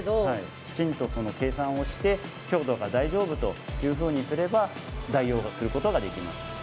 きちんと計算をして強度が大丈夫というふうにすれば代用をすることができます。